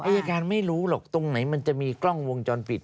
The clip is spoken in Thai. อายการไม่รู้หรอกตรงไหนมันจะมีกล้องวงจรปิด